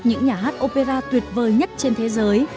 những nhà hát opera tuyệt vời nhất trên thế giới